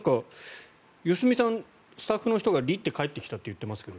良純さん、スタッフの人が「り」って返ってきたと行ってますけど。